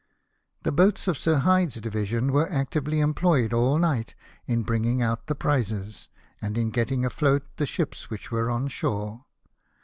The boats of Sir Hyde's division were actively em ployed all night in brmging out the prizes, and in getting afloat the ships which were on shore.